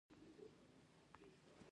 دا میلې هر کال په سیمه کې جوړیږي